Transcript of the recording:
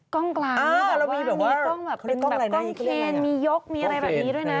กล้องกลางแบบว่ามีกล้องเคลนมียกมีอะไรแบบนี้ด้วยนะ